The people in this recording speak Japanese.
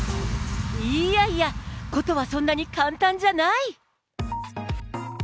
いやいや、事はそんなに簡単じゃない！